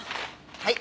はい。